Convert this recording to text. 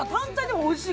おいしい。